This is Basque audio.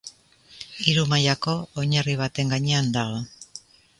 Hiru mailako oinarri baten gainean dago.